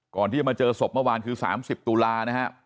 ก่อนที่จะมาเจอศพเมื่อวานคือ๓๐ตุลานะฮะ